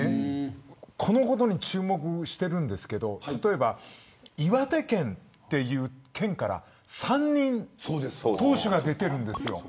このことに注目してるんですけど岩手県という県から３人投手が出てるんです。